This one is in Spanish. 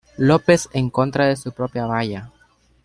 López en contra de su propia valla.